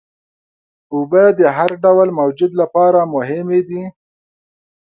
اوبه د هر ډول موجود لپاره مهمې دي.